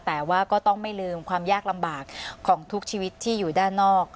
แต่ว่าก็ต้องไม่ลืมความยากลำบากของทุกชีวิตที่อยู่ด้านนอก